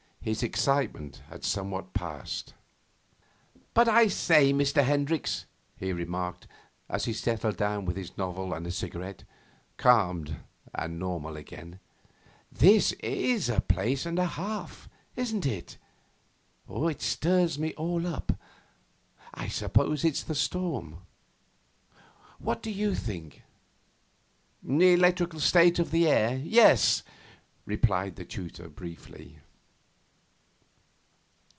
His excitement had somewhat passed. 'But, I say, Mr. Hendricks,' he remarked, as he settled down with his novel and a cigarette, calmed and normal again, 'this is a place and a half, isn't it? It stirs me all up. I suppose it's the storm. What do you think?' 'Electrical state of the air, yes,' replied the tutor briefly.